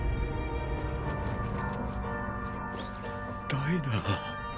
ダイナ。